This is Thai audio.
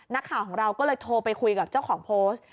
นักข่าวของเราก็เลยโทรไปคุยกับเจ้าของโพสต์